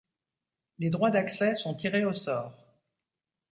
Les droits d'accès sont tirés au sort.